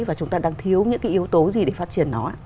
và chúng ta đang thiếu những cái yếu tố gì để phát triển nó ạ